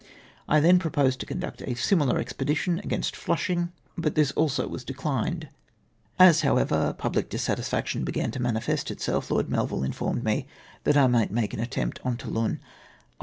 I then proposed to conduct a similar expedition against Fhishing, but this also was dechned. As, Q 4 232 INCONSIDEEATE TROrOSITIOX. however, public dissatisfoctioii l)egan to manifest itself, Lord Melville informed me that I might make an attempt on Toulon on.